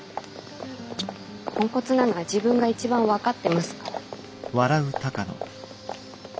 ポンコツなのは自分が一番分かってますから。